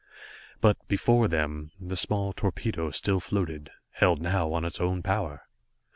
But before them, the small torpedo still floated, held now on its own power!